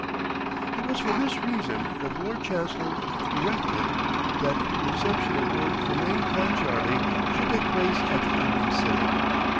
It was for this reason that the Lord Chancellor directed that the reception of Lord Fermain Clancharlie should take place at the evening sitting.